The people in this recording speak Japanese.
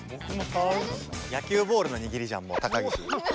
野球ボールのにぎりじゃんもう高岸。